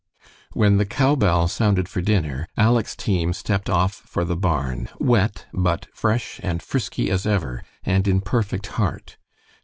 When the cowbell sounded for dinner, Aleck's team stepped off for the barn, wet, but fresh and frisky as ever, and in perfect heart.